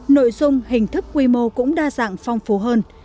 nội dung hình thức quy mô cũng đa dạng phong phú hơn